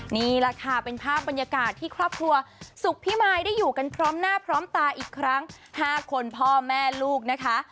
นี่แหละค่ะเป็นภาพบรรยากาศที่ครอบครัวสุขพิมายได้อยู่กันพร้อมหน้าพร้อมตาอีกครั้ง๕คนพ่อแม่ลูกนะคะ